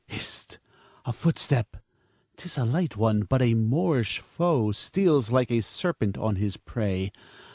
Hist! a footstep. 'Tis a light one, but a Moorish foe steals like a serpent on his prey.